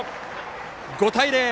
５対０。